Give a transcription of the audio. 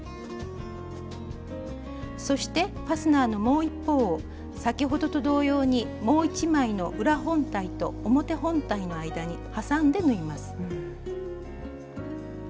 そしてファスナーのもう一方を先ほどと同様にもう一枚の裏本体と表本体の間にはさんで縫います。